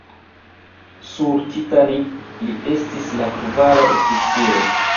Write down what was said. Sur "Titanic" li estis la kvara oficiro.